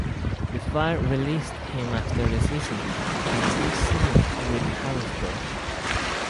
The Fire released him after the season, and he signed with Harrisburg.